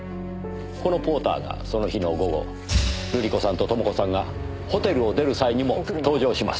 このポーターがその日の午後瑠璃子さんと朋子さんがホテルを出る際にも登場します。